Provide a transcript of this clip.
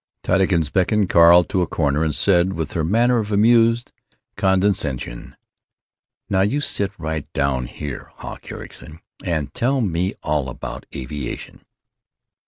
Tottykins beckoned Carl to a corner and said, with her manner of amused condescension, "Now you sit right down here, Hawk Ericson, and tell me all about aviation."